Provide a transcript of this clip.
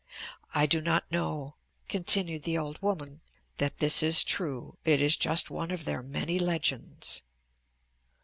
I do not know," continued the old woman, "that this is true. It is just one of their many legends."